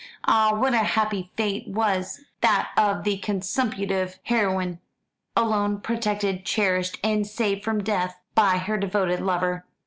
Ah what a happy fate was that of the consumptive heroine! Alone, protected, cherished, and saved from death by her devoted lover.